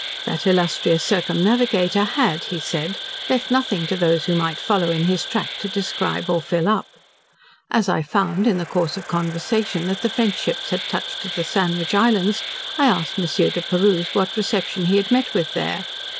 That illustrious circumnavigator had, he said, left nothing to those who might follow in his track to describe, or fill up. As I found, in the course of conversation, that the French ships had touched at the Sandwich Islands, I asked M. De Perrouse what reception he had met with there.